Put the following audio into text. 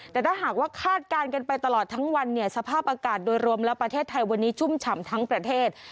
แต่ถ้าหากว่าคาดการณ์กันไปตลอดทั้งวันเนี่ยสภาพอากาศโดยรวมแล้วประเทศไทยวันนี้ชุ่มฉ่ำทั้งประเทศ